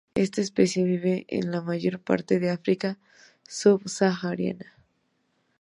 Esta especie vive en la mayor parte de África subsahariana.